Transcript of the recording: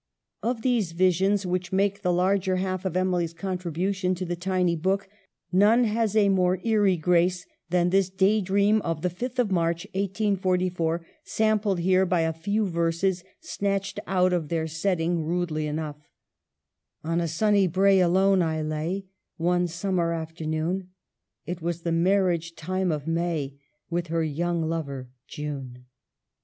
Of these visions which make the larger half of Emily's contribution to the tiny book, none has a more eerie grace than this day dream of the 5th of March, 1844, sampled here by a few verses snatched out of their setting rudely enough :" On a sunny brae, alone I lay One summer afternoon ; It was the marriage time of May With her young lover, June.